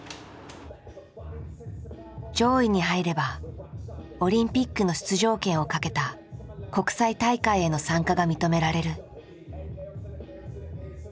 上位に入ればオリンピックの出場権をかけた国際大会への参加が認められる。